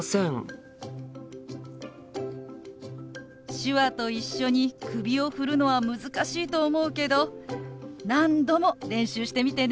手話と一緒に首を振るのは難しいと思うけど何度も練習してみてね。